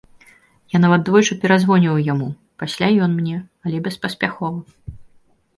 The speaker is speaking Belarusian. Я нават двойчы перазвоньваў яму, пасля ён мне, але беспаспяхова.